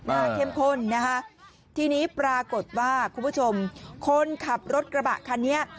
เข้มข้นนะคะทีนี้ปรากฏว่าคุณผู้ชมคนขับรถกระบะคันนี้